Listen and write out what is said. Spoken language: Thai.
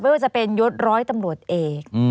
ว่าจะเป็นยศร้อยตำรวจเอก